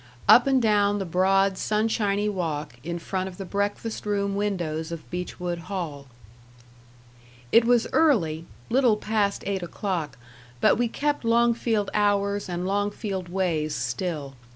up and down the broad, sunshiny walk, in front of the breakfast room windows of Beechwood Hall. It was early little past eight o'clock; but we kept Longfield hours and Longfield ways still.